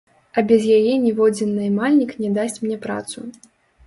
А без яе ніводзін наймальнік не дасць мне працу.